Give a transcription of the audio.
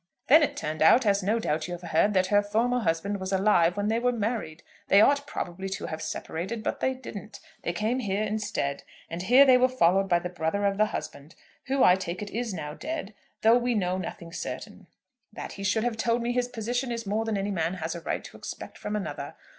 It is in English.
Then it turned out, as no doubt you have heard, that her former husband was alive when they were married. They ought probably to have separated, but they didn't. They came here instead, and here they were followed by the brother of the husband, who I take it is now dead, though of that we know nothing certain. "That he should have told me his position is more than any man has a right to expect from another.